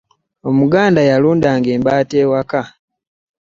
omuganda yaludanga embata ewaka